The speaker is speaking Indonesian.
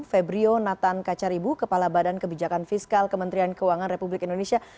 febrio nathan kacaribu kepala badan kebijakan fiskal kementerian keuangan republik indonesia